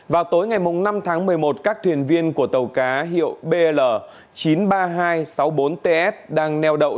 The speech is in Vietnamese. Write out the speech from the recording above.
vào tối ngày năm tháng một mươi một các thuyền viên của tàu cá hiệu bl chín trăm ba mươi hai sáu mươi bốn ts đang neo đậu